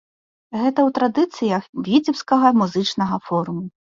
Гэта ў традыцыях віцебскага музычнага форуму.